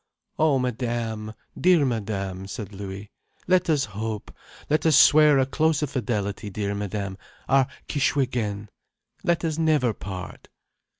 "Oh, Madame, dear Madame," said Louis, "let us hope. Let us swear a closer fidelity, dear Madame, our Kishwégin. Let us never part.